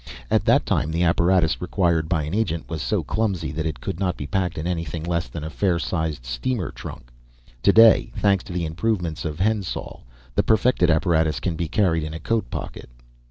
At that time the apparatus required by an agent was so clumsy that it could not be packed in anything less than a fair sized steamer trunk. To day, thanks to the improvements of Hendsoll, the perfected apparatus can be carried in a coat pocket.